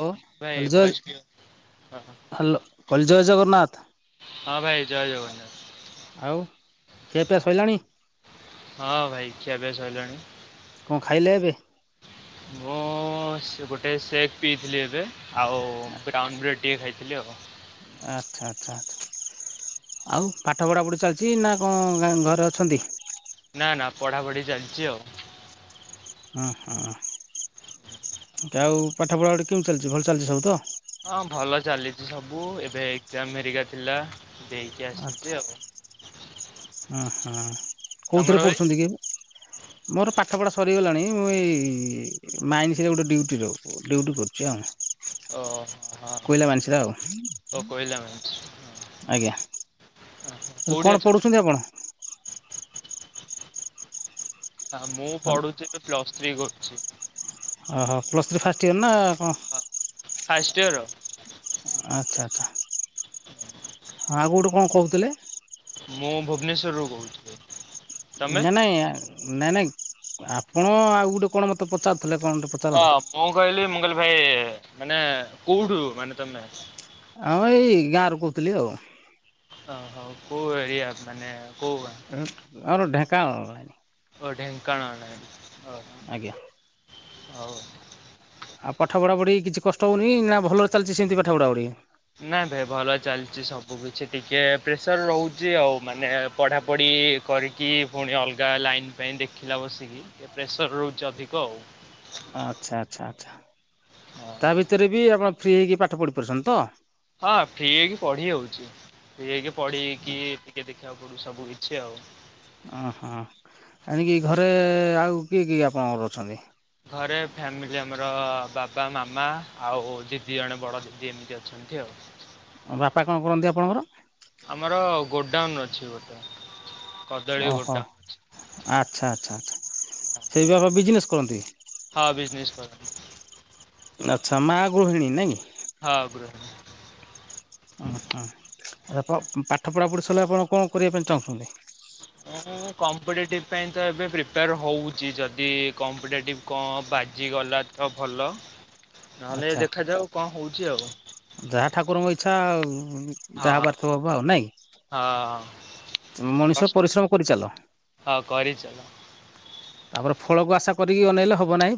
Hello ଭାଇ ଖୋଲିଛ ଆଜି ଭଏସ୍ କ୍ଲିୟର ହଁ ହ୍ୟାଲୋ କଇଲି ଜୟ ଜଗନ୍ନାଥ। ହଁ ଭାଇ ଜୟ ଜଗନ୍ନାଥ ଆଉ ଖିଆ ପିଆ ସଇଲାଣି? ହଁ ଭାଇ ଖିଆପିଆ ସଇଲାଣି। କଣ ଖାଇଲେ ଏବେ? ମୁଁ ଗୋଟେ ସେକ୍ ପିଇଥିଲି ଏବେ ଆଉ ବ୍ରାଉନ ବ୍ରେଡ଼୍ ଟିକେ ଖାଇଥିଲି ଆଉ। ଆଚ୍ଛା ଆଚ୍ଛା ଆଚ୍ଛା। ଆଉ ପାଠ ପଢ଼ାପଢ଼ି ଚାଲିଛି ନା କଣ ଗାଁ ଘରେ ଅଛନ୍ତି? ନା ନା ପଢାପଢି ଚାଲିଛି ଆଉ। ହଁ ହଁ ଆଉ ପାଠପଢ଼ା କେମିତି ଚାଲିଛି ସବୁ ଭଲ ଚାଲିଛି ସବୁ ତ? ହଁ ଭଲ ଚାଲିଛି ସବୁ ଏବେ ଏକ୍କାମ ଏରିକା ଥିଲା ଦେଇକି ଆସିଛି ଆଉ। [inaudible] ଅ ହଁ ତମର କୋଉଥିରେ ପଢୁଛନ୍ତି କି ଏବେ? [inaudible] ମୋର ପାଠପଢା ସରିଗଲାଣି ମୁଁ ଏଇ ମାଇନ୍ସରେ ଗୋଟେ ଡ୍ୟୁଟିର ଡ୍ୟୁଟି କରୁଛି ଆଉ। କୋଇଲା ମାଇନ୍ସରେ ଆଉ ଓହୋ [inaudible] ଆଜ୍ଞା [unintelligible] କଣ ଅଛନ୍ତି? ପଢ଼ୁଛନ୍ତି ଆପଣ? ହଁ ମୁଁ ପଢୁଛି ଏବେ ପ୍ଲସ୍ ଥ୍ରୀ କରୁଛି। ଓହୋ ପ୍ଲସ୍ ଥ୍ରୀ ଫାଷ୍ଟ ଇୟର ନା କଣ? First year. ଆଚ୍ଛା ଆଚ୍ଛା। ଆଉ ଗୋଟେ କଣ କହୁଥିଲେ? ମୁଁ ଭୁବନେଶ୍ୱରରୁ କହୁଥିଲି। ନାଇଁ ନାଇଁ ନାଇଁ ନାଇଁ ଆପଣ ଆଉ ଗୋଟେ କଣ ମତେ ପଚାରୁଥିଲେ କଣ ଟେ। ହଁ ମୁଁ କହିଲି ମୁଁ କହିଲି ଭାଇ ମାନେ କୋଉଠୁ ମାନେ ତମେ? ହଁ ମୁଁ ଏଇ ଗାଁରୁ କହୁଥିଲି ଆଉ। ଓହୋ କୋଉ ଏରିଆ ମାନେ କୋଉ ଗାଁ? ଆମର ଢ଼େଙ୍କନାଳ। ଓ ଢେଙ୍କାନାଳରେ ଓହୋ। ଆଜ୍ଞା। ହଉ। ଆଉ ପାଠ ପଢାପଢ଼ି କିଛି କଷ୍ଟ ହେଉନି, ନା ଭଲରେ ଚାଲିଛି ସେମିତି ପାଠ ପଢ଼ାପଢ଼ି? ନା ରେ ଭଲ ଚାଲିଛି ସବୁ କିିଛି ଟିକେ ପ୍ରେସର ରହୁଛି ଆଉ ମାନେ ପଢ଼ାପଢ଼ି। କରିକି ପୁଣି ଅଲଗା ଲାଇନ୍ ପାଇଁ ଦେଖିଲା ବସିକି ଟିକେ ପ୍ରେସର ରହୁଛି ଅଧିକ ଆଉ। ଆଚ୍ଛା ଆଚ୍ଛା ଆଛା ହଁ ତା ଭିତରେ ବି ଆପଣ ଫ୍ରି ହେଇକି ପାଠ ପଢି ପାରୁଛନ୍ତି ତ? ହଁ ଫ୍ରି ହେଇକି ପଢି ହଉଛି ଫ୍ରି ହେଇକି ପଢିକି ଟିକେ ଦେଖିବାକୁ ପଢୁବାକୁ ସବୁକିଛି ଆଉ। ଓ ହଁ ଏଣିକି ଘରେ ଆଉ କିଏ କିଏ ଆପଣଙ୍କର ଅଛନ୍ତି? ଘରେ ଫ୍ୟାମିଲି ଆମର ବାବା ମାମା ଆଉ ଦିଦି ଜଣେ ବଡ ଦିଦି ଏମିତି ଅଛନ୍ତି ଆଉ। ବାପା କଣ କରନ୍ତି ଆପଣଙ୍କର? ଆମର ଗୋଡାଉନ୍ ଅଛି ଗୋ ଓହୋ ଅଛି। ଆଚ୍ଛା ଆଚ୍ଛା ଆଚ୍ଛା ସେ କଣ ବିଜିନେସ୍ କରନ୍ତି। ହଁ ବିଜନେସ କରନ୍ତି। ଆଚ୍ଛା ମା ଗୃହିଣୀ ନାଇଁ? ହଁ ଗୃ ଓ ହଁ ଆ ପାଠ ପଢ଼ାପଢ଼ି ସାରିଲେ ଆପଣ କଣ କରିବା ପାଇଁ ଚାହୁଁଛନ୍ତି? ଉଁ। ମୁଁ କମ୍ପିଟେଟିଭ୍ ପାଇଁ ତ ଏବେ ପ୍ରିପେୟାର ହେଉଛି ଯଦି କମ୍ପିଟେଟିଭ୍ କଣ ବାଜିଗଲା। ତ ଭଲ ନହେଲେ ଆଚ୍ଛା ଦେଖାଯାଉ କଣ ହେଉଛି ଆଉ। ଯାହା ଠାକୁରଙ୍କ ଇଚ୍ଛା ଆଉ ହଁ ଯାହା ହଁ ହବାର ଥିବ ହବ ନାଇଁ। ହଁ। ମଣିଷ କଷ୍ଟ ପରିଶ୍ରମ କରିଚାଲ। ହଁ କରିଚାଲ। ତାପରେ ଫଳକୁ ଆଶା କରିକି ଅନେଇଲେ ହବ ନାହିଁ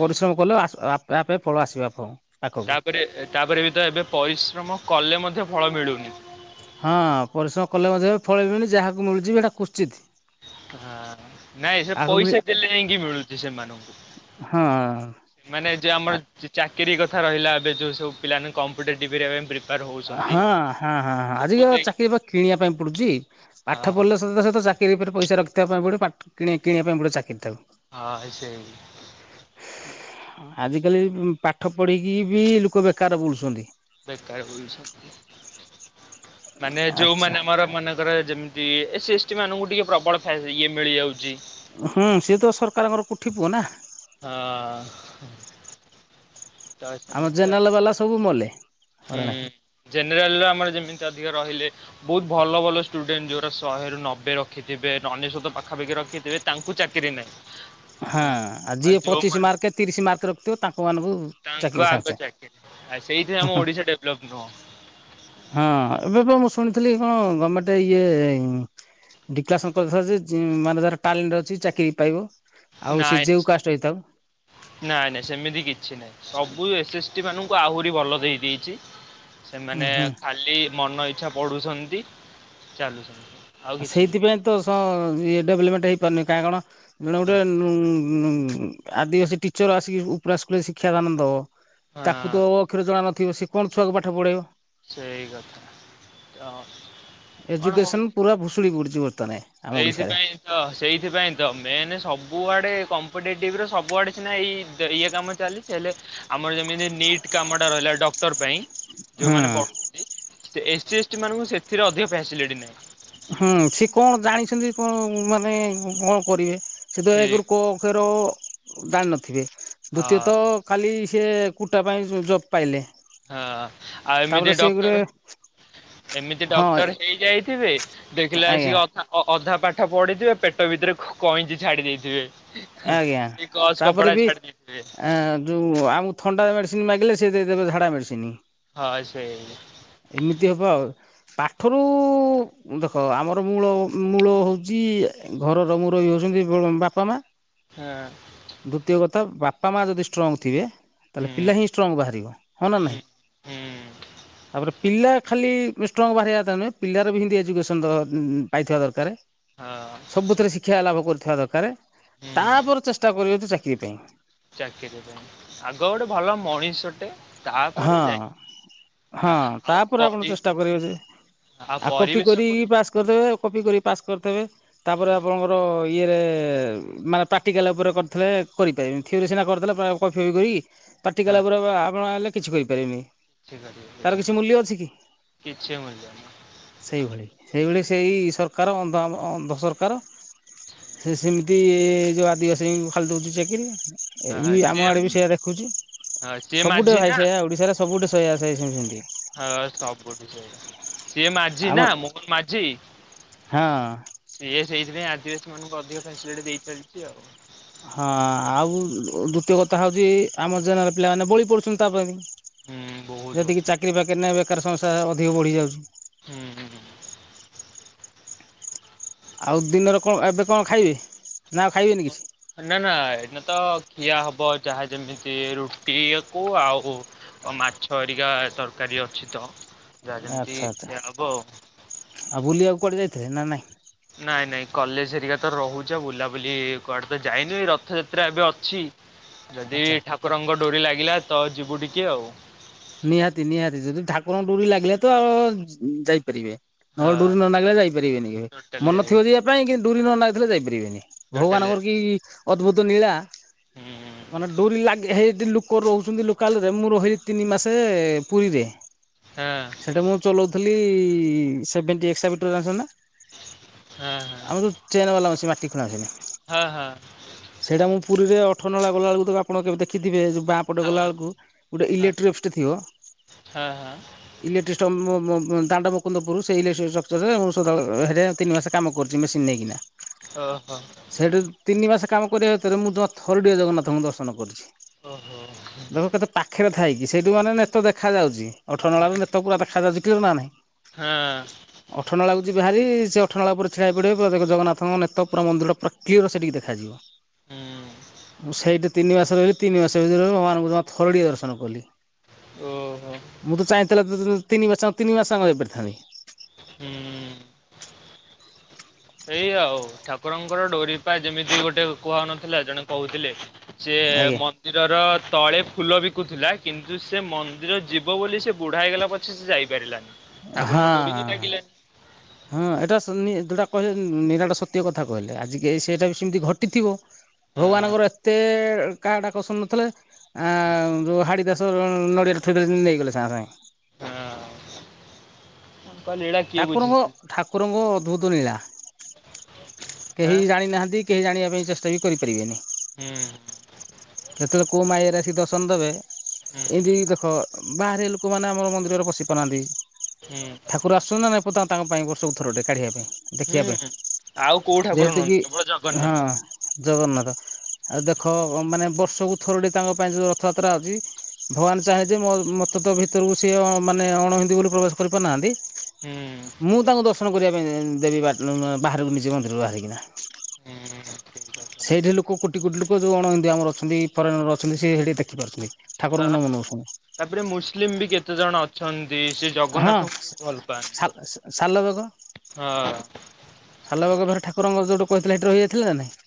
ପରିଶ୍ରମ କଲେ ଆସଆ ଆପେ ଫଳ ଆସିବ ଆପଣ। ପାଖକୁ ତାପରେ ତାପରେ ବିତ ଏବେ ପରିଶ୍ରମ କଲେ ମଧ୍ୟ ଫଳ ମିଳୁନି। ହଁ ପରିଶ୍ରମ କଲେ ମଧ୍ୟ ଏବେ ଫଳ ମିଳୁନି ଯାହାକୁ ମିଳୁଚି ବି ସେଇଟା କୁସ୍ଚିତି। ହଁ ନାଇଁ ସେ ମିଳି ପଇସା ଦେଲେ ଯାଇକି ମିଳୁଛି ସେମାନଙ୍କୁ। ହଁ। ମାନେ ଯୋଉ ହଁ ଚା ଚାକିରି କଥା ରହିଲା ଏବେ ଯୋଉ ସବୁ ପିଲା ମାନେ କମ୍ପିତେଟିଭ ରେ ପ୍ରି ହଁ ହଁ ହଁ ହ ଆଜିିକା ଏଇ ଚାକିରି ବା କିଣିବା ପାଇଁ ପଡୁଛି ପାଠ ହଁ ପଢିଲେ। ସହିତ ଚାକିରି ଉପରେ ପଇସା ରଖିବା ପାଇଁ ପଡିବ ପ କି କିଣିବା ପାଇଁ ପଡିବି ଚାକିରି ଟାକୁ। ହଁ ସେଇ। ଆଜିକାଲିବି ପାଠ ପଢ଼ିକି ବି ଲୋକ ବେକାର ବୁଲୁଛନ୍ତି। ବେକାରେ ବିଲୁଚ୍ଛ ମାନେ ଆଚ୍ଛା ଯୋଉମାନେ ଆମର ମାନେ ଯେମିତି ଏସି ଏସ ଟୀ ମାନଙ୍କୁ ଟିକେ ପ୍ରବଳ ଫା ଇଏ ମିଳିଯାଉଚି। ହୁଁ ସିଏ ତ ସରକାରଙ୍କର କୋଠି ପୁଅ ନା। ହଁ। ତ ଆମ ସେମିତି ଆଉ ଜେନାଲ ବାଲା ସବୁ ମଲେ। ହୁଁ ହଇରାଣ ହେଇ। ଜେନେରାଲର ଆମର ଯେମିତି ଅଧିକ ରହିଲେ ବହୁତୁ ଭଲ ଭଲ ଷ୍ଟୁଡେଣ୍ଟ ଯୋଉ ଶହେରୁ ନବେ ରଖିଥିବେ ଅନନେଶତ ପାଖାପାଖି ରଖିଥିବେ ତାଙ୍କୁ ଚାକିରି ନାଇଁ। ହାଁ ଆ ଯିଏ ପଚିଶି ମାର୍କ ତିରିଶି ମାର୍କ ରଖିଥିବ ତାଙ୍କ ମାନଙ୍କୁ ତାଙ୍କ ଚାକିରି ସାଙ୍ଗେ ଆଗ ସାଙ୍ଗେ। ଆ ସେଇଥିରେ ଆମ ଓଡିଶା ଡେଭଲପ ନୁହଁ। ହଁ ଏବେ ପା ମୁଁ ଶୁଣିଥିଲି କଣ ଗମେଣ୍ଟ ଇଏ ଡିକ୍ଲାରସନ କରିଥିଲା ଯେ ମାନେ ଯାର ଟ୍ୟାଲେଣ୍ଟ ଅଛି ଚାକିରି ପାଇବ। ଆଉ ସେ ନାଇଁ ଯେଉ କାଷ୍ଟ ହେଇଥାଉ। ନାଇଁ ନାଇଁ ସେମିତି କିଛି ନାଇଁ। ସବୁ ଏସ ଏସ୍ ଟି ମାନଙ୍କୁ ଆହୁରି ଭଲ ଦେଇ ଦେଇଚି। ଉଁ ସେମାନେ ହୁଁ ଖାଲି ମନ ଇଛା ପଢୁଛନ୍ତି ଚାଲୁଛନ୍ତି। ଆଉ କିଛି ସେଇଥିପାଇଁ ତ ସ ଇଏ ଡେଭଲପମେଣ୍ଟ ହେଇପାରୁନି କାହିଁ କଣ ଜଣେ ନାହିଁ। ଗୋଟେ ଉ ଆଦିବାସୀ ଟିଚର ଆସିକି ଉପ୍ରା ସ୍କୁଲରେ ଶିକ୍ଷାଦାନ ଦବ। ହଁ ତାକୁ ତ ଅକ୍ଷର ଜଣା ନଥିବ ସେ କଣ ଛୁଆକୁ ପାଠ ପଢେଇବ। ସେଇ କଥା ତ କଣ ଏଜୁକେସନ ହଉଚି। ପୁରା ଭୁଷୁଡ଼ି ପଡୁଚି, ବର୍ତମାନେ। ହେଇଥିପାଇଁ ତ ସେଇଥିପାଇଁ ତ ମେନ୍ ସବୁଆଡ଼େ କମ୍ପିଟେଟିଭ୍ ର ସବୁଆଡେ ସିନା ଏଇ ଇଏ କାମ ଚାଲି ହେଲେ ଆମର ଯେମିତି ନିଟ୍ କାମ ଟା ରହିଲା ଡକ୍ଟର ପାଇଁ, ହୁଁ। ଯୋଉମାନେ ପଢୁ ଏସ୍ ଟି ଏସ୍ ଟି ମାନଙ୍କୁ ସେଥିରେ ଅଧିକ ଫ୍ୟାସିଲିଟି ନାଇଁ। ହୁଁ, ସେ କଣ ଜାଣିଛନ୍ତି କଣ ମାନେ କଣ କରିବେ? ସେଥି [unintelligible] ଠିକ୍ ଏକରୁ କୋଅ ଅକ୍ଷର ଜାଣି ନଥିବେ, ହଁ। ଦ୍ଵିତୀୟତଃ ଖାଲି ସେ କୁଟା ପାଇଁ ଜବ୍ ପାଇଲେ। ହଁ, ଆଉ ତାପରେ ଏମିତି ସିଏ ଗୋଟେ ଡକ୍ଟର ଏମିତି ହଁ ଡକ୍ଟର ହେଇଯାଇଥିବେ ଦେଖିଲେ ଆସିକି ଆଜ୍ଞା ଅ ଧା ଅ-ଅଧା ପାଠ ପଢିଥିବେ, ପେଟ ଭିତରେ କଇଁଚି ଛାଡି ଦେଇଥିବେ। ଆଜ୍ଞା କି ଗଜ୍ କପଡ଼ା ଛାଡ଼ି ଦେଇଥିବେ। ଯୋଉଁ ଆମକୁ ଥଣ୍ଡା ମେଡ଼ିସିନ୍ ମାଗିଲେ, ସେ ଦେଇଦେବେ ଝାଡ଼ା ମେଡ଼ିସିନି। ହଁ ସେଇ ଏମିତି ହବ ଆଉ, ପାଠରୁ ଦେଖ, ଆମର ମୂଳ ମୂଳ ହଉଚି, ଘରର ମୁରବି ହଉଛନ୍ତି, ବାପା, ମା। ହାଁ। ଦ୍ଵିତୀୟ କଥା, ବାପା ମା ଯଦି ଷ୍ଟ୍ରଙ୍ଗ ଥିବେ ତାହେଲେ ହୁଁ ପିଲା ହିଁ ଷ୍ଟ୍ରଙ୍ଗ୍ ବାହାରିବ। ହଁ ନା ହୁଁ ନାହିଁ ହୁଁ। ତାପରେ ପିଲା ଖାଲି ଷ୍ଟ୍ରଙ୍ଗ୍ ବାହାରିବା ତା ନୁହେଁ, ପିଲାର ବି ହିଁ ତି ଏଜୁକେସନ୍ ଦ ପାଇଥିବା ଦରକାରେ। ହଁ ସବୁଥିରେ ଶିକ୍ଷା ଲାଭ କରୁଥିବା ଦରକାରେ। ହୁଁ ତାପରେ ଚେଷ୍ଟା କରିବ ତ ଚାକିରି ପାଇଁ। ଚାକିରି ପାଇଁ, ଆଗ ଗୋଟେ ଭଲ ମଣିଷଟେ। ହଁ। ତାପରେ ଯାଇ ହଁ, ତାପରେ ଆପଣ ଚେଷ୍ଟା କରିବେ ଯେ, ଆଉ ଆ କପି ପରିବେଶକୁ କରିକି ପାସ୍ କରିଦେବେ, କପି କରିକି ପାସ୍ କରିଥେବେ। ତାପରେ ଆପଣଙ୍କର ଇଏରେ, ମାନେ ପ୍ରାକ୍ଟିକାଲ୍ ଉପରେ କରିଥିଲେ କରିପାରିବେନି। ଥିଓରି ସିନା କରିଦେଲେ ପ୍ରାୟ, କପିଫପି କରିକି। ହଁ ପାକ୍ଟିିକାଲା ଉପରେ ଆପଣ ଆଣିଲେ କିଛି କରିପାରିବେନି? ତାର କିଛି ମୂଲ୍ୟ ଅଛି କି? [inaudible] କିଛି [inaudible] ସେଇଭଳି, ସେଇଭଳି ସେଇ ସରକାର ଅନ୍ଧ ଅନ୍ଧ ସରକାର। ସେ ସେମିତି ଯୋଉ ଆଦିବାସୀଙ୍କୁ ଖାଲି ଦଉଚି ଚାକିରି ଏଇ ଆମ ଆଡେ ବି ସିଏ ସେଇଆ ଦେଖୁଚି। ସିଏ ସବୁଟା ମାଝି ଭାଇ ନା ସେଇଆ ଓଡିଶାରେ ସବୁଠେ ସେଆ ସେ ସେ ସେ ସେମତି। ହଁ, ସବୁଠି ସେଆ। ସିଏ ମାଜି ଆମ ନା ହଁ। ମୋହନ ମାଜି। ହଁ ସିଏ ସେଇଥିପାଇଁ ଆଦିବାସୀ ମାନଙ୍କୁ ଅଧିକ ଫାସିଲଟି ଦେଇଚାଲିଚି ଆଉ। ହଁ ଆଉ ଦୁତୀୟ କଥା ହଉଚି ଆମ ଜେନେରାଲ ପିଲାମାନେ ବଳି ପଡୁଚନ୍ତି ତା ପାଇଁ ବି ହୁଁ ବହୁତ ଯେତିକି ବଢିଆ ଚାକିରିୀ ବାକିରି ନାଇଁ ବେକାର ସମସ୍ୟା ଅଧିକ ବଢି ଯାଉଚି। ହୁଁ ହୁଁ। ଆଉ ଦିନରେ କଁ ଏବେ କଁ ଖାଇବି? ନା ଆଉ ଖାଇବେନି କିଛି? ନା ନା ଏଇଟାତ ଖିଆ ହବ ଯାହା ଯେମିତି ରୁଟିଆ କୁ ଆଉ କଂ ମାଛ ଏରିକା ତରକାରୀ ଅଛି ତ। ଯାହା ଯେମିତି ଆଚ୍ଛା! ଆଚ୍ଛା! ଖିଆ ହବ ଆଉ। ଆଉ ବୁଲିବାକୁ କୁଆଡେ ଯାଇଥିଲେ ନା ନାଇଁ? ନାଇଁ ନାଇଁ କଲେଜ ହେରିକା ତ ରହୁଚି ବୁଲାବୁଲି କୁଆଡେ ତ ଯାଇନି ରଥଯାତ୍ରା ଏବେ ଅଛି। ଯଦି ଆଚ୍ଛା। ଠାକୁରଙ୍କ ଡୋରି ଲାଗିଲା ତ ଯିବୁ ଟିକେ ଆଉ। ନିହାତି, ନିହାତି ଯଦି ଠାକୁରଙ୍କ ଡୋରି ଲାଗିଲା ତ ଅ ଯାଇପାରିବେ। ନ ହଁ ଡୁରି ନ ନାଗିଲେ ଯାଇପାରିବେନି କେହି ଟୋଟାଲି ମନ ଯାଇ ଥିବ ଯିବା ପାଇଁ କିନ୍ତୁ ଡୁରି ନ ନାଗିଥିଲେ ଯାଇପାରିବେନି। ଟୋଟାଲି ଭଗବାନଙ୍କର କି ଅଦ୍ଭୁତ ନିଳା। - - ହୁଁ ମାନେ ଡୋରି ଲାଗି ହେଇଟି ଲୁକ ରହୁଛନ୍ତି ଲୋକାଲ ରେ ମୁଁ ରହିଲି ତିନି ମାସ ସେ ଏ ପୁରୀରେ। ହଁ ସେଇଟା ମୁଁ ଚଲଉଥିଲି ଈ-ଈ-ଇ ସେଭେଣ୍ଟି ଏକ୍ସଭେଟର ଜାଣିଚନ୍ତି ନା? ହଁ ହଁ। ଆମର ଯଉ ଚେନ ବାଲା ମେସି ମାଟି ଖଲାନ୍ତିନି। ହଁ ହଁ। ସେଇଟା ମୁଁ ପୁରୀରେ ଅଠର ନଳା ଗଲାବେଳକୁ ତ ଆପଣ କେବେ ଦେଖିଥିବେ ଯୋଉ ବାଁ ପଟେ ହଁ ଗଲା ବେଳକୁ ଗୋଟେ ଇଲେଟ୍ରି ଅଫିସଟେ ଥିବ ହଁ ହଁ ହଁ ଇଲେଟ୍ରି ଷ୍ଟ ମ ମ ଦାଣ୍ଡ ମୁକୁନ୍ଦ ପୁର ସେଇ ମୁଁ ସ ତିନି ମାସ କାମ କରୁଚି ମେସିନ ନେଇକିନା। ହଁ ହ। ସେଠି ତିନି ମାସ କାମ କରିବା ଭିତରେ ମୁଁ ଯମା ଥରୁ ଟିଏ ଜଗନ୍ନାଥଙ୍କୁ ଦର୍ଶନ କରିଛି। ଓହୋ। ଦେଖ କେତେ ପାଖରେ ଥାଇକି ସେଇଠୁ ମାନେ ନେତ ଦେଖା ଯାଉଚି। ଅଠ ନଳା ନେ- - ତ ପୁରା ଦେଖାଯାଉଚି କ୍ଲିଅର ନା ନାହିଁ। ହଁ ଅଠରେ ନଳକୁ ଯିବା ହେରି ସେ ଅଠର ନଳା ଉପରେ ଥ୍ରିଆ ହେଇ ପଡିବା ଦେଖ ଜଗନ୍ନାଥ ଙ୍କ ନେତ ପୁରା ମନ୍ଦିର ଟା କ୍ଲିଅର ସେଠିକି ଦେଖାଯିବ। ହୁଁ ମୁଁ ସେଇଟି ତିନି ମାସ ରହିଲି ତିନି ମାସ ଭିତରେ ମୋ ମାନଙ୍କୁ ଜମା ଥରଟିଏ ଦର୍ଶନ କଲି। ଓହୋ ମୁଁ ତ ଚାହିଁଥିଲେ ତୁତୁ - - ତିନି ମାସ ତିନି ମାସ ରହି ପାରିଥାଆନ୍ତି। ହୁଁ ଏଇ ଆଉ ଠାକୁରଙ୍କର ଡୋରି ପାଇଁ ଯେମିତି ଗୋଟେ କୁହ ନଥିଲା ଜଣେ କହୁଥିଲେ। ସିଏ ମ- - ଆଜ୍ଞା ମନ୍ଦିରର ତଳେ ଫୁଲ ବିକୁଥିଲା କିନ୍ତୁ ସେ ମନ୍ଦିର ଯିବ ବୋଲି ସେ ବୁଢା ହେଇଗଲା ପ - - ଛେ ସେ ଯାଇପାରିଲାନି ହଁ ହଁ ଠାକୁରଙ୍କୁ ଡରି ବି ହଁ। ଲାଗିଲାନି। ହଁ ଏଟା ସ ଯଉଟା କହିଲେ ନିରାଟ ସତ୍ୟ କଥା କହିଲେ, ଆଜି ସେଟା ବି ସେମିତି ଘଟିଥିବ। ହଁ ଭଗବାନଙ୍କର ଏତେ କାହାଡାକ ଶୁଣୁ ନଥିଲେ। ଆ ଯଉ ହାଡ଼ି ଦାସ ନଡ଼ିଆଟେ ଥୋଇଦେଲେ ଜେମିତି ନେଇଗଲେ ସାଙ୍ଗେ ସାଙ୍ଗେ। ହଁ ମୁଁ କହିଲି ଏଇଟା କିଏ ଠାକୁରଙ୍କ ବୁଝିଛନ୍ତି ଠାକୁରଙ୍କ ଅଦ୍ଭୁତ ନୀଳା କେହି ଆଁ ଜାଣିନାହାନ୍ତି। କେହି ଜାଣିବା ପାଇଁ ଚେଷ୍ଟା ବି କରିପାରିବେନି ହୁଁ। କେତେବେଳେ କୋଉ ମାୟରେ ଆସିକି ଦ ପସନ୍ଦବେ ହୁଁ ଏମିତି ଦେଖ ବାହାରେ ଲୋକମାନେ ଆମର ମନ୍ଦୀର ରେ ପଶି ପାରନ୍ତି। ହୁଁ। ଠାକୁର ଆସୁ ଚନ୍ତି ନା ନାହି ତାଙ୍କ ପାଇଁ ବର୍ଷକୁ ଠାରୁଟେ କାଢ଼ିବା ପାଇଁ। ଦେଖିବା ହୁଁ। ଆଉ କୋଉ ପାଇଁ ଠାକୁର ଯେହେତୁ ନୁହନ୍ତି କିି କେବଳ ଜଗନ୍ନାଥ ହଁ। ଜଗନ୍ନାଥ ଆଉ ଦେଖ ମାନେ ବର୍ଷକୁ ଥରୁଟି ତାଙ୍କ ପାଇଁ ଯଉ ରଥଯାତ୍ରା ହେଉଛି। ଭଗବାନ ଚାହେଁ ଯେ ମ ମୋତେ ତ ଭିତରକୁ ସିଏ ମାନେ ଅଣ ହିନ୍ଦୀ ବୋଲି ପ୍ରବେଶ କରିପାରୁନାହାଁନ୍ତି। ହୁଁ ମୁଁ ତାଙ୍କୁ ଦର୍ଶନ କରିବା ପାଇଁ ଦେବି ବା ବାହାରକୁ ନିଯେ ମନ୍ଦିରରୁ ବାହାରିକିନା। ହୁଁ ଠିକ କଥା। ସେଇଠି ଲୋକ କୋଟି କୋଟି ଲୋ ଯୋଉ ଅଣ ହିନ୍ଦୁ ଆମର ଅଛନ୍ତି ଫରେନର ଅଛନ୍ତି ସେଠି ଦେଖିପାରୁଛନ୍ତି ଠାକୁରଙ୍କୁ ନ ହଁ ମନଉଛନ୍ତି। ତାପରେ ମୁସଲିମ ବି କେତେ ଜଣ ଅ ଅଛନ୍ତି ସେ ହଁ ଜଗନ୍ନାଥଙ୍କୁ ବି ଭଲ ପାଆନ୍ତି ସାଲବେଗ ହଁ। ସାଲ ବେଗ ଫେରେ ଠାକୁର ଯେଉଁଠୁ କହିଥିଲା ହେଟି ରହିଁଯାଇଥିଲା ନା ନାଇଁ?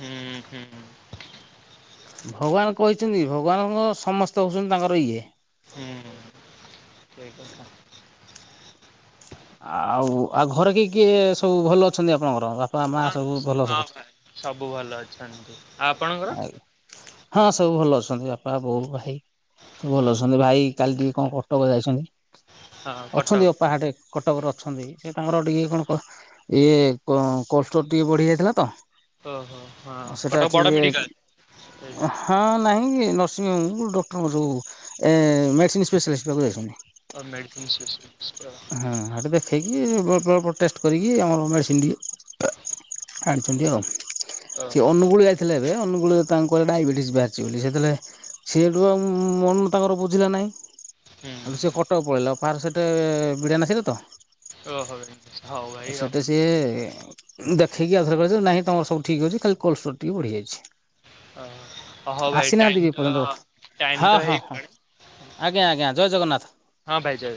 ହୁଁ ହୁଁ। ଭଗବାନ କହିଛନ୍ତି ଭଗବାନଙ୍କ ସମସ୍ତେ ହଉଛନ୍ତି ତାଙ୍କର ଇଏ। ହୁଁ ସେଇ କଥା। ଆଉ ଆଉ ଘରେ କିଏ କିଏ ସବୁ ଭଲ ଅଛନ୍ତି ଆପଣଙ୍କର? ମା ହଁ ସବୁ ଭଲ ହଁ ସବୁ? ଘରେ ସବୁ ଭଲ ଅଛନ୍ତି। ଆଉ ଆପଣଙ୍କର? ହଁ ସବୁ ଭଲ ଅଛନ୍ତି ବାପା ବୋଉ ଭାଇ। ସବୁ ଭଲ ହଁ ଅଛନ୍ତି ଭାଇ କାଲି ଟିକେ କଣ କଟକ ଯାଇଛନ୍ତି କଟକ ଅଛନ୍ତି ଅପାହାଟେ। କଟକରେ ଅଛନ୍ତି ସେ ତାଙ୍କର ଟିକେ କଣ ଇଏ କୋଲଡ ଷ୍ଟୋର ଟିକେ ବଢ଼ି ଯାଇଥିଲା ତ। ଓହୋ ହଁ କଟକ ବଡ଼ ଟିଏ। ମେଡ଼ିକାଲ। ହଁ ନାହିଁ କି ନର୍ସିଂହୋମ୍ ଡକ୍ଟରଙ୍କର ଜୋଉ ଏ ମେଡ଼ିସିନ୍ ସ୍ପେଶାଲିଷ୍ଟ ପାଖକୁ ଯାଇଛନ୍ତି। ହଁ ମେଡିସିନ୍ ସେ [unintelligible] ଖେଇକି ବ୍ ବ ଟେଷ୍ଟ କରିକି ଆମର ମେଡ଼ିସିନ ଟିଏ ଆଣିଛନ୍ତି ଆଉ। ଓ ସେ ଅନୁଗୁଳ ଯାଇଥିଲେ ଏବେ ଅନୁଗୁଳ ତାଙ୍କ ଡାଇବେଟିସ ବାହାରିଛି ବୋଲି ସେତେଳେ ସେଠୁ ଆଉ ମନ ତାଙ୍କର ବୁଝିଲା ନାହିଁ ଆଠୁ ସେ ହୁଁ। କଟକ ପଳେଇଲ ପାର ସେଟେ ବିଡ଼ା ନାସି ରେ ତ? ଓ ହ ଭାଇ ହଉ ଭାଇ ରଉ ସେଟା ସିଏ ଦେଖେଇକି ଆଉଥରେ କରି ନାହିଁ ତମର ସବୁ ଠିକ୍ ଅଛି ଖାଲି କୋଲଷ୍ଟୋର ଟିକେ ବଢିଯାଇଛି। ଓହୋ ଭାଇ ଟାଇମ ତ ଟାଇମ ହଁ ତ ହଁ ହଁ ହେଇଗଲାଣି। ଆଜ୍ଞା ଆଜ୍ଞା ଜୟ ଜଗନ୍ନାଥ। ହଁ ଭାଇ ଜୟ